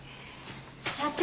社長